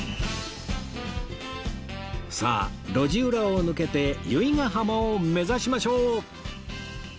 さあ路地裏を抜けて由比ガ浜を目指しましょう！